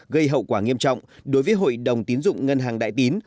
gây hậu quả nghiêm trọng đối với hội đồng tiến dụng ngân hàng đại tín